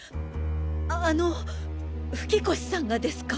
あの吹越さんがですか！？